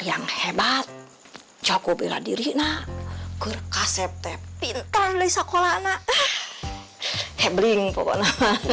yang hebat coko bela diri nak kurek asep tepintar lesa kolana eh hebling pokoknya